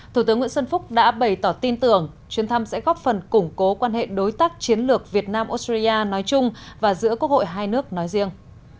thủ tướng nguyễn xuân phúc đã bày tỏ tin tưởng chuyến thăm sẽ góp phần củng cố quan hệ đối tác chiến lược việt nam australia nói chung và giữa quốc hội hai nước nói riêng